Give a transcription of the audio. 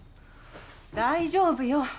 大丈夫よ。